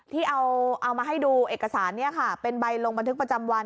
ที่เอาเอามาให้ดูเอกสารเนี้ยค่ะเป็นใบลงบันทึกประจำวัน